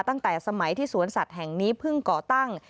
ตั้งแต่สมัยที่สวนสัตว์แห่งนี้เพิ่งก่อตั้ง